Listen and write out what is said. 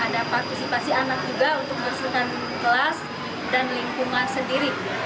ada partisipasi anak juga untuk bersihkan kelas dan lingkungan sendiri